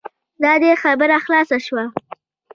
دا دی خبره خلاصه شوه.